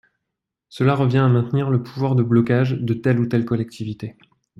Cela revient à maintenir le pouvoir de blocage de telle ou telle collectivité.